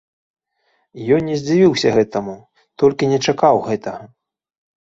Ён не здзівіўся гэтаму, толькі не чакаў гэтага.